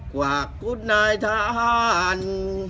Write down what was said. ขวากคุณนายท่าน